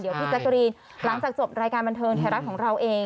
เดี๋ยวพี่แจ๊กกะรีนหลังจากจบรายการบันเทิงไทยรัฐของเราเอง